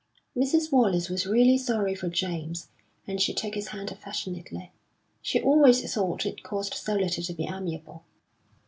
Mrs. Wallace was really sorry for James, and she took his hand affectionately. She always thought it cost so little to be amiable.